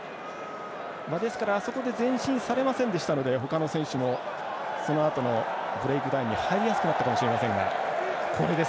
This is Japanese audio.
ですから、あそこで前進されませんでしたので他の選手もそのあとのブレイクダウンに入りやすくなったかもしれません。